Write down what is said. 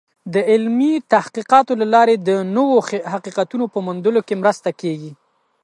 د علمي تحقیقاتو له لارې د نوو حقیقتونو په موندلو کې مرسته کېږي.